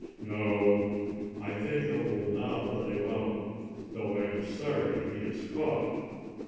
No, I think I will not let him out, though I am sorry he is caught.